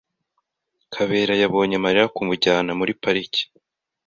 Kabera yabonye Mariya kumujyana muri pariki.